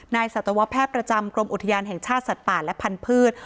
สัตวแพทย์ประจำกรมอุทยานแห่งชาติสัตว์ป่าและพันธุ์